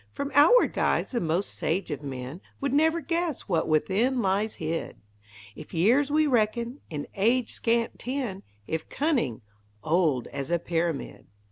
From outward guise the most sage of men Would never guess what within lies hid! If years we reckon, in age scant ten; If cunning, old as a pyramid.